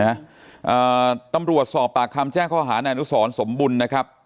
นะฮะอ่าตำรวจสอบปากคำแจ้งข้อหาแนนุสอนสมบุญนะครับ